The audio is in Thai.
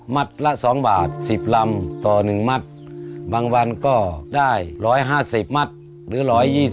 ละ๒บาท๑๐ลำต่อ๑มัดบางวันก็ได้๑๕๐มัตต์หรือ๑๒๐